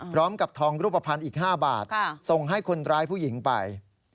พร้อมกับทองรูปภัณฑ์อีก๕บาทส่งให้คนร้ายผู้หญิงไป